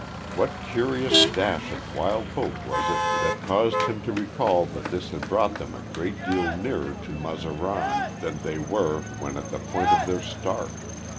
What curious dash of wild hope was it that caused him to recall that this had brought them a great deal nearer to Mazaran than they were when at the point of their start?